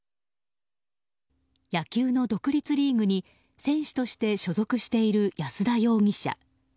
野球の独立リーグに選手として所属している安田容疑者。